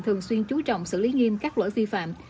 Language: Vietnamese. thường xuyên chú trọng xử lý nghiêm các lỗi vi phạm